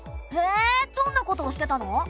へぇどんなことをしてたの？